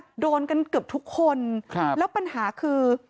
โดนกันเกือบทุกคนครับแล้วปัญหาคือ